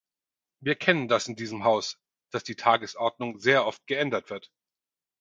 Wir kennen das in diesem Haus, dass die Tagesordnung sehr oft geändert wird.